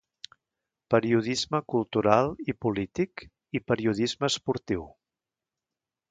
Periodisme cultural i polític i Periodisme esportiu.